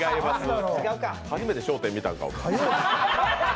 初めて「笑点」見たんか。